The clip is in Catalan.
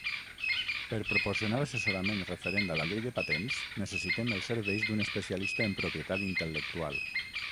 Per proporcionar assessorament referent a la llei de patents, necessitem els serveis d'un especialista en propietat intel·lectual